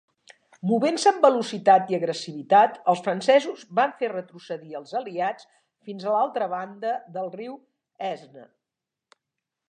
Movent-se amb velocitat i agressivitat, els francesos van fer retrocedir els Aliats fins a l'altra banda del riu Aisne.